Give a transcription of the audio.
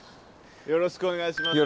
よろしくお願いします。